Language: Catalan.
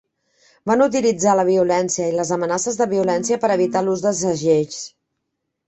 Van utilitzar la violència i les amenaces de violència per evitar l'ús de segells.